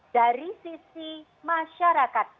dari sisi masyarakatnya